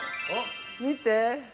見て。